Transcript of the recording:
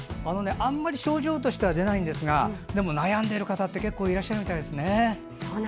あんまり症状としては出ないんですが、悩んでいる方は結構いらっしゃるみたいですね。